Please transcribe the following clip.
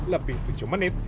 lebih tujuh menit